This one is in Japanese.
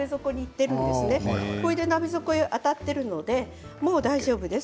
鍋底に当たっていますのでもう大丈夫です。